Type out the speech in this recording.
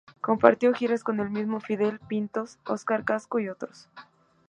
Compartió giras con el mismo Fidel Pintos, Oscar Casco y otros.